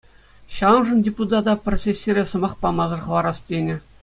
Ҫавӑншӑн депутата пӗр сессире сӑмах памасӑр хӑварас тенӗ.